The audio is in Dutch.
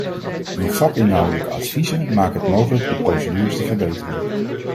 Uw vakinhoudelijke adviezen maken het mogelijk de procedures te verbeteren.